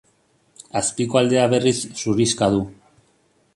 Azpiko aldea berriz zurixka du.